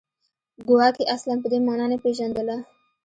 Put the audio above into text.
ګواکې اصلاً په دې معنا نه پېژندله